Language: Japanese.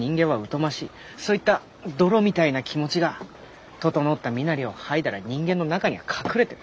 そういった泥みたいな気持ちが整った身なりを剥いだら人間の中には隠れてる。